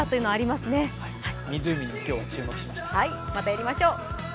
またやりましょう。